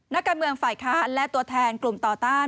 นักการเมืองฝ่ายค้านและตัวแทนกลุ่มต่อต้าน